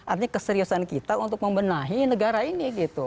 artinya keseriusan kita untuk membenahi negara ini gitu